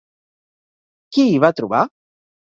Qui hi va trobar?